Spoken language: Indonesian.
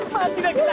mati dah kita